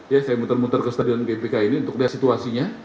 ya saya muter muter ke stadion gbk ini untuk lihat situasinya